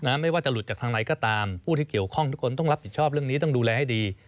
ไม่ว่าจะหลุดจากทางไหนก็ตามผู้ที่เกี่ยวข้องทุกคนต้องรับผิดชอบเรื่องนี้ต้องดูแลให้ดี